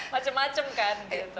macem macem kan gitu